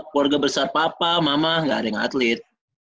keluarga besar papa mama nggak ada yang atlet